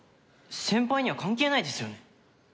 先輩には関係ないですよね？